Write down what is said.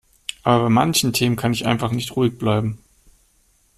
Aber bei manchen Themen kann ich einfach nicht ruhig bleiben.